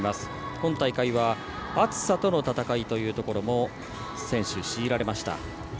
今大会は暑さとの戦いというところも選手、強いられました。